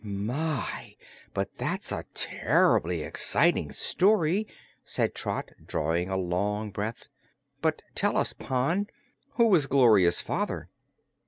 "My, but that's a terr'bly exciting story!" said Trot, drawing a long breath. "But tell us, Pon, who was Gloria's father?"